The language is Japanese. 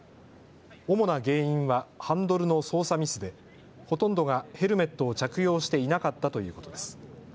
主な原因はハンドルの操作ミスでほとんどがヘルメットを着用していなかったということです。